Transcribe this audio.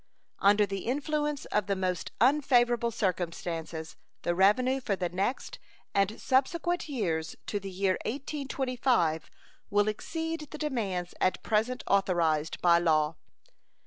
Under the influence of the most unfavorable circumstances the revenue for the next and subsequent years to the year 1825 will exceed the demands at present authorized by law.